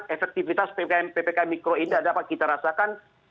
efektivitas ppkm mikro ini ada apa kita rasakan